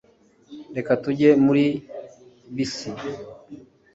Reka tujye muri bisi